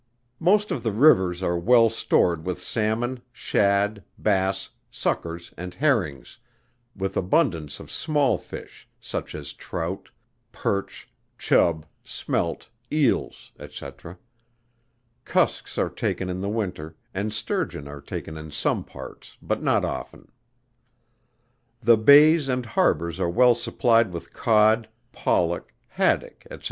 Most of the rivers are well stored with Salmon, Shad, Bass, Suckers, and Herrings, with abundance of small Fish, such as Trout, Perch, Chub, Smelt, Eels, &c. Cusks are taken in the winter, and Sturgeon are taken in some parts, but not often. The Bays and Harbors are well supplied with Cod, Pollock, Haddock, &c.